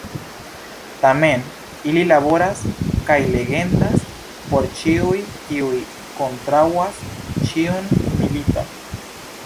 Tamen, ili valoras kaj legendas por ĉiuj, kiuj kontraŭas ĉiun militon.